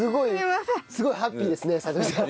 すごいハッピーですね里美さん。